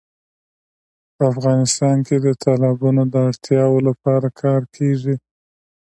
په افغانستان کې د تالابونو د اړتیاوو لپاره کار کېږي.